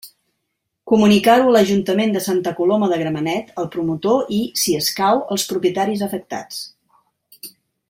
Comunicar-ho a l'Ajuntament de Santa Coloma de Gramenet, al promotor i, si escau, als propietaris afectats.